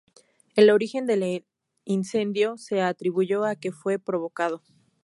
El origen de el incendio se atribuyó a que fue provocado.